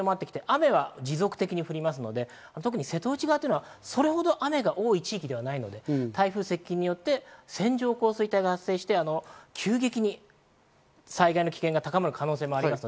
雨は持続的に降りますので、瀬戸内側というのはそれほど雨が多い地域ではないので、台風接近によって線状降水帯が発生して、急激に災害の危険性を高まる恐れがあります。